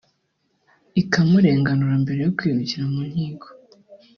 ikamurenganura mbere yo kwirukira mu nkiko